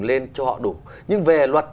lên cho họ đủ nhưng về luật